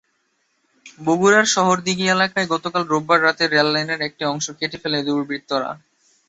বগুড়ার শহরদীঘি এলাকায় গতকাল রোববার রাতে রেললাইনের একটি অংশ কেটে ফেলে দুর্বৃত্তরা।